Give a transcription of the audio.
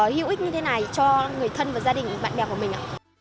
hữu ích như thế này cho người thân và gia đình bạn đẹp của mình